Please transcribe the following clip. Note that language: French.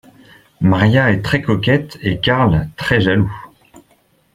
Maria est très coquette et Karl très jaloux.